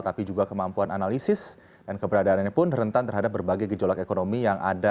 tapi juga kemampuan analisis dan keberadaannya pun rentan terhadap berbagai gejolak ekonomi yang ada